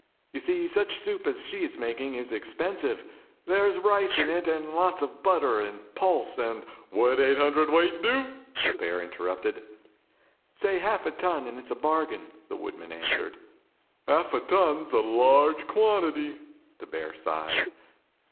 "You see such a soup as she is making is expensive. There is rice in it, and lots of butter, and pulse, and —" "Would eight hundred weight do?" the bear interrupted. "Say half a ton, and it's a bargain," the woodman answered. "Half a ton is a large quantity," the bear sighed.